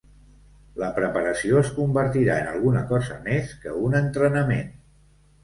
La preparació es convertirà en alguna cosa més que un entrenament.